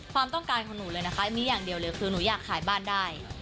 ความต้องการของหนูเลยนะคะมีอย่างเดียวเลยคือหนูอยากขายบ้านได้